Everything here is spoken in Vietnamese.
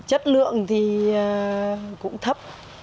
chất lượng thì cũng thấp